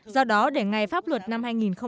do đó để ngày pháp luật năm hai nghìn một mươi chín